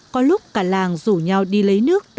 có lúc cả làng rủ nhau đi lấy nước